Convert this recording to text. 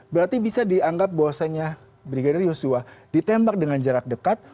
berarti bisa dianggap bahwasannya brigadir yosua ditembak dengan jarak dekat